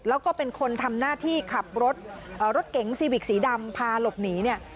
แล้วก็เป็นคนทำหน้าที่ขับรถรถเก๋งซีวิกสีดำพาหลบหนีเนี่ย